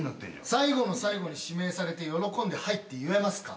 最後の最後に指名されて喜んではいって言えますか？